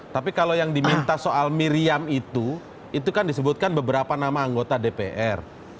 tapi kalau yang diminta soal miriam itu itu kan disebutkan beberapa nama anggota dpr